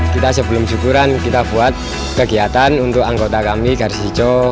kita sebelum syukuran kita buat kegiatan untuk anggota kami garis hijau